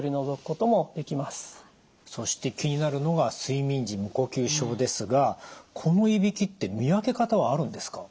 そして気になるのが睡眠時無呼吸症ですがこのいびきって見分け方はあるんですか？